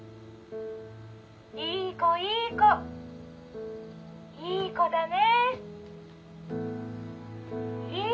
いい子いい子いい子だね！」。